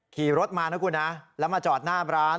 ขี่รถมานะคุณนะแล้วมาจอดหน้าร้าน